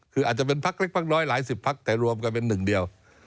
คืออาจจะเป็นพักเล็กพักน้อยหลายสิบพักแต่รวมกันเป็นหนึ่งเดียว